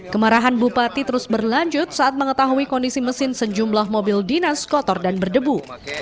kemarahan bupati terus berlanjut saat mengetahui kondisi mesin sejumlah mobil dinas kotor dan berdebu